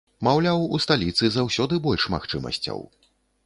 Маўляў, у сталіцы заўсёды больш магчымасцяў.